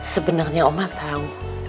sebenarnya oma tau